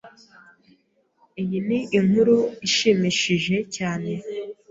Iyi ni inkuru ishimishije cyane.